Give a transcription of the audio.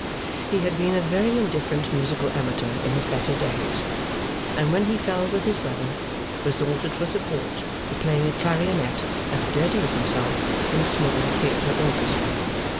He had been a very indifferent musical amateur in his better days; and when he fell with his brother, resorted for support to playing a clarionet as dirty as himself in a small Theatre Orchestra.